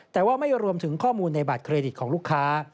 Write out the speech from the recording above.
แต่ว่าไม่รวมถึงข้อมูลในบัตรเครดิตของลูกค้า